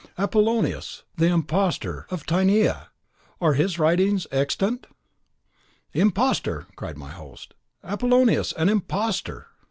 "Apollonius, the imposter of Tyanea! are his writings extant?" "Imposter!" cried my host; "Apollonius an imposter!"